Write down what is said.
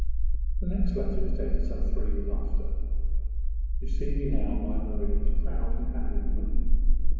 The next letter is dated some three years after. 'You see me now, my Marie, a proud and happy woman.